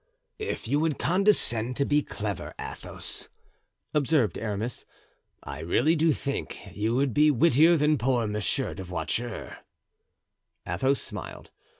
"If you would condescend to be clever, Athos," observed Aramis, "I really do think you would be wittier than poor Monsieur de Voiture." Athos smiled.